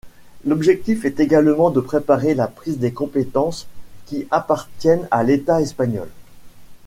L'objectif est également de préparer la prise des compétences qui appartiennent à l'État espagnol.